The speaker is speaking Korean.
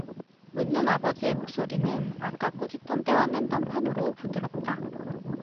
묻는 아버지의 목소리는 아까 꾸짖던 때와는 딴판으로 부드럽다.